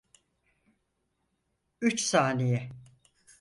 Üç saniye.